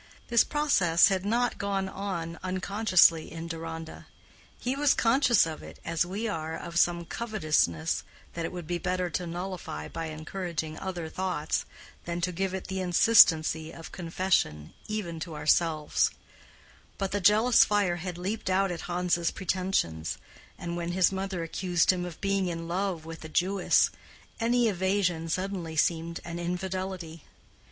This process had not gone on unconsciously in Deronda: he was conscious of it as we are of some covetousness that it would be better to nullify by encouraging other thoughts than to give it the insistency of confession even to ourselves: but the jealous fire had leaped out at Hans's pretensions, and when his mother accused him of being in love with a Jewess any evasion suddenly seemed an infidelity.